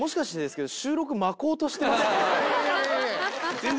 全然。